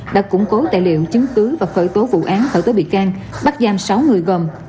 đã củng cố tài liệu chứng cứ và khởi tố vụ án khởi tố bị can bắt giam sáu người gồm